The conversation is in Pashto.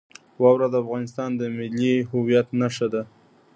واوره د افغانستان د ملي هویت نښه ده.